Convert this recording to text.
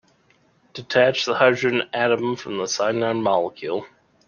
Detach the hydrogen atom from the cyanide molecule.